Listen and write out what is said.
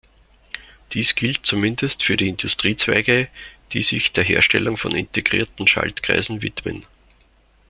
Dies gilt zumindest für die Industriezweige, die sich der Herstellung von integrierten Schaltkreisen widmen.